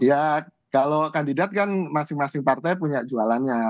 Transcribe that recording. ya kalau kandidat kan masing masing partai punya jualannya